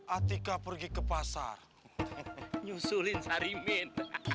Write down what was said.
atika pergi ke pasar nyusulin sarimin